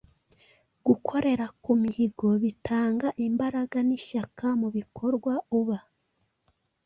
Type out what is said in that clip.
Gukorera ku mihigo bitanga imbaraga n’ishyaka mu bikorwa uba